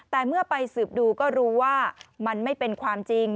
แต่เมื่อไปสืบดูก็รู้ว่ามันไม่เป็นความจริง